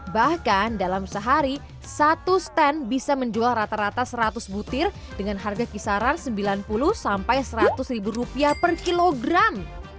bahkan dalam sehari satu stand bisa menjual rata rata seratus butir dengan harga kisaran sembilan puluh sampai seratus ribu rupiah per kilogram